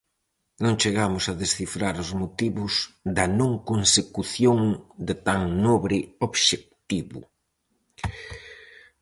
Non chegamos a descifrar os motivos da non consecución de tan nobre obxectivo.